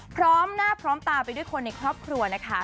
พร้อมหน้าพร้อมตาไปด้วยคนในครอบครัวนะคะ